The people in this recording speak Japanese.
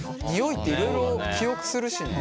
匂いっていろいろ記憶するしね。